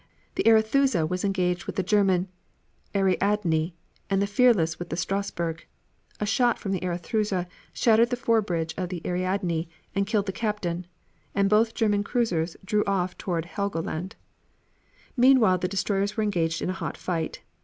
The Arethusa was engaged with the German Ariadne, and the Fearless with the Strasburg. A shot from the Arethusa shattered the fore bridge of the Ariadne and killed the captain, and both German cruisers drew off toward Helgoland. Meanwhile the destroyers were engaged in a hot fight.